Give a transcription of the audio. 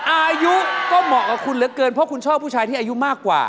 อายุก็เหมาะกับคุณเหลือเกินเพราะคุณชอบผู้ชายที่อายุมากกว่า